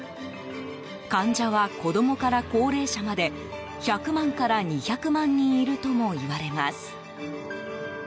患者は子どもから高齢者まで１００万から２００万人いるともいわれます。